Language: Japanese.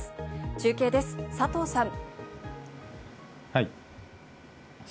中継です、佐藤さん。